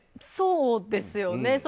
そうですよね。